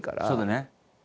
そうだね。